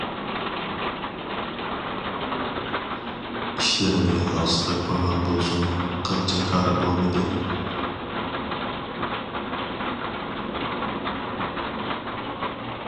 ئىشلىرىنى ئاقسىتىپ قويغان بولسىمۇ قىلچە كارى بولمىدى.